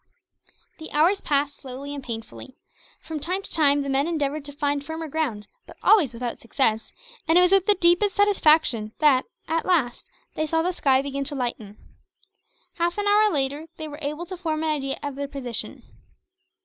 The hours passed slowly and painfully. From time to time, the men endeavoured to find firmer ground, but always without success; and it was with the deepest satisfaction that, at last, they saw the sky begin to lighten. Half an hour later, they were able to form an idea of their position.